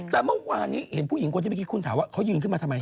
แต่เมื่อวานนี้เห็นผู้หญิงคนที่เมื่อกี้คุณถามว่าเขายืนขึ้นมาทำไม